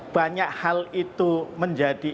banyak hal itu menjadi